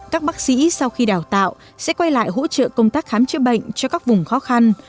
các bác sĩ sau khi đào tạo sẽ quay lại hỗ trợ công tác khám chữa bệnh cho các vùng khó khăn